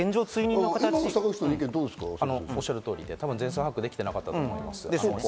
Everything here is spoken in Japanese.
おっしゃる通りで、全数把握できてなかったと思います。